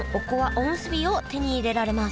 おむすびを手に入れられます